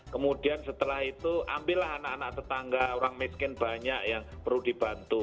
kemudian setelah itu ambillah anak anak tetangga orang miskin banyak yang perlu dibantu